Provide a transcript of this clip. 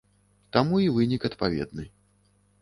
Таму і вынік адпаведны.